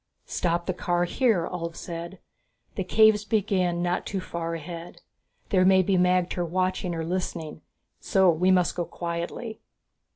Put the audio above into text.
"Stop the car here," Ulv said, "The caves begin not too far ahead. There may be magter watching or listening, so we must go quietly."